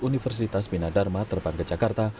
universitas bina dharma terbang ke jakarta